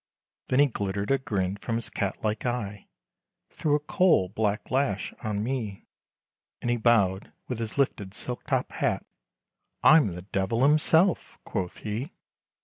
Then he glittered a grin, from his cat like eye, Thro' a coal black lash on me, And he bowed, with his lifted silk top hat, "I'm the Devil himself!" quoth he.